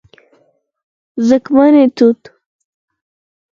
🍓ځمکني توت